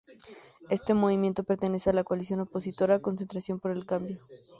Este movimiento pertenece a la coalición opositora Concertación por el Cambio.